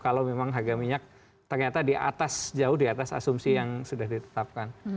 kalau memang harga minyak ternyata di atas jauh di atas asumsi yang sudah ditetapkan